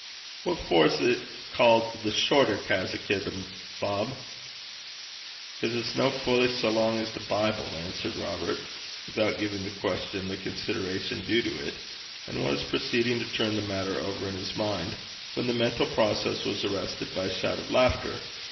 'What for 's 't ca'd the Shorter Carritchis, Bob?' ''Cause it's no fully sae lang's the Bible,' answered Robert, without giving the question the consideration due to it, and was proceeding to turn the matter over in his mind, when the mental process was arrested by a shout of laughter.